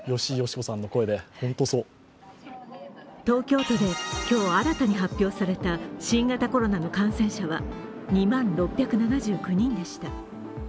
東京都で今日新たに発表された新型コロナの感染者は２万６７９人でした。